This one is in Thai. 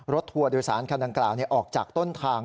ทัวร์โดยสารคันดังกล่าวออกจากต้นทาง